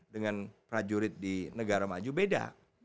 dengan prajurit di negara maju beda